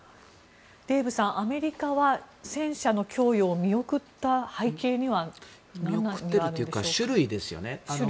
デーブさん、アメリカは戦車の供与を見送った背景には何があるのでしょうか。